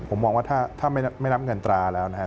ผมมองว่าถ้าไม่รับเงินตราแล้วนะครับ